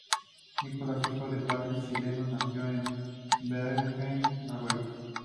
Nicolás, hijo de padres chilenos, nació en Bergen, Noruega.